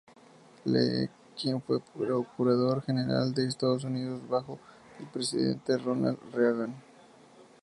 Lee, quien fue Procurador General de Estados Unidos bajo el presidente Ronald Reagan.